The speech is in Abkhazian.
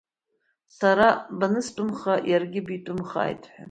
Сара баныстәымха, иаргьы битәымхааит, ҳәа.